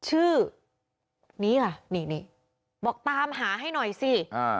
ชื่อนี้ค่ะนี่นี่บอกตามหาให้หน่อยสิอ่า